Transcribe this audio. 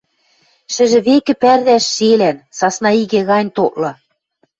Шӹжӹ векӹ пӓрдӓш шелӓн, сасна игӹ гань тотлы.